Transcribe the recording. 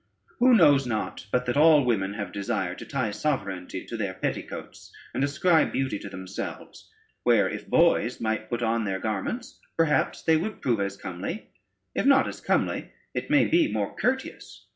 Who knows not, but that all women have desire to tie sovereignty to their petticoats, and ascribe beauty to themselves, where, if boys might put on their garments, perhaps they would prove as comely; if not as comely, it may be more courteous.